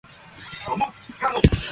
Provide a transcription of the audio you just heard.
あなたは変わらないね